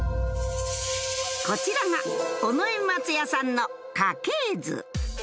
こちらが尾上松也さんの家系図